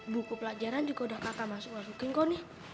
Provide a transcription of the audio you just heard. buku pelajaran juga udah kakak masuk masukin kok nih